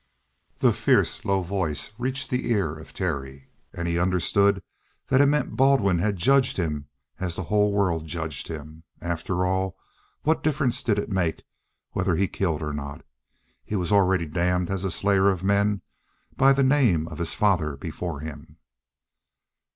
That fierce, low voice reached the ear of Terry, and he understood that it meant Baldwin had judged him as the whole world judged him. After all, what difference did it make whether he killed or not? He was already damned as a slayer of men by the name of his father before him.